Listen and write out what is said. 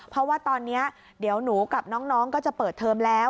เพราะว่าตอนนี้เดี๋ยวหนูกับน้องก็จะเปิดเทอมแล้ว